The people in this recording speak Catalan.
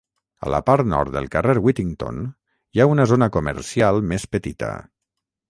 A la part nord del carrer Whittington hi ha una zona comercial més petita.